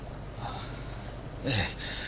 ええ。